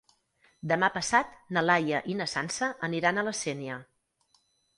Demà passat na Laia i na Sança aniran a la Sénia.